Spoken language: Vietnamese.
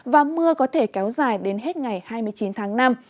và mưa có thể kéo dài đến hết ngày hai mươi chín tháng năm